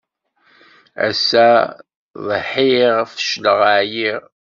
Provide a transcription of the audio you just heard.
Ass-a ḍḥiɣ fecleɣ ɛyiɣ.